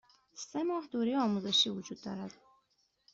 سه ماه دوره آزمایشی وجود دارد.